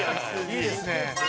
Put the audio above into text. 「いいですね」